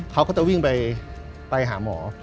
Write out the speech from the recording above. เขาก็จะวิ่งไปหาหมอ